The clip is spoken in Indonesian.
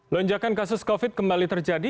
lonjakan kasus covid sembilan belas kembali terjadi